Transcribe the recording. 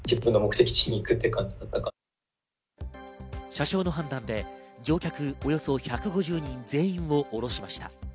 車掌の判断で乗客およそ１５０人全員を降ろしました。